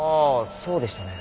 そうでしたね。